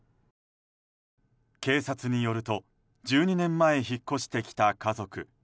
警察によると１２年前、引っ越してきた家族。